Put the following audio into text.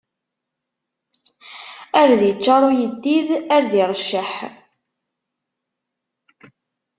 Ar d iččaṛ uyeddid, ar d iṛecceḥ.